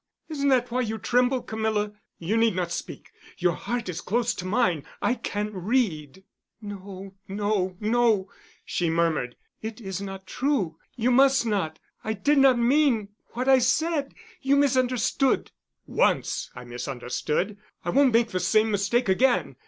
Isn't that why you tremble, Camilla? You need not speak. Your heart is close to mine and I can read——" "No, no, no," she murmured. "It is not true. You must not. I did not mean—what I said, you misunderstood——" "Once I misunderstood. I won't make the same mistake again.